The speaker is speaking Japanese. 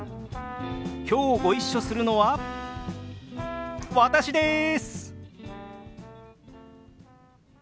きょうご一緒するのは私です！